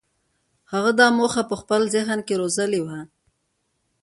هغه دا موخه په خپل ذهن کې روزلې وه.